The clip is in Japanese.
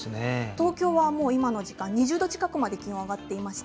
東京は今の時間、２０度近くまで気温が上がっています。